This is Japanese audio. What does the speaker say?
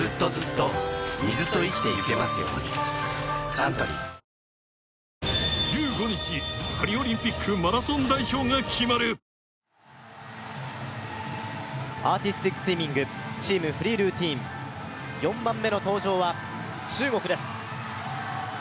サントリーアーティスティックスイミングチーム・フリールーティン４番目の登場は中国です。